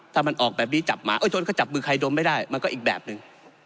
ถ้ามันออกแบบนี้จับมือใครดมไม่ได้มันก็อีกแบบนึง